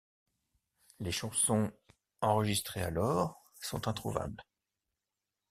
Les chansons enregistrées alors sont introuvables.